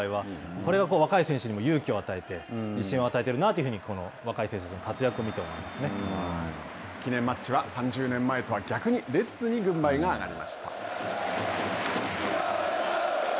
これが若い選手にも勇気を与えて、自信を与えているなと記念マッチは３０年前とは逆にレッズに軍配が上がりました。